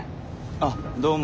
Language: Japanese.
あっどうも。